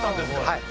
はい。